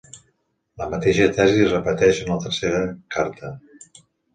La mateixa tesi es repeteix en la tercera carta.